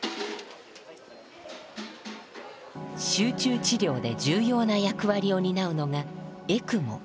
集中治療で重要な役割を担うのがエクモ。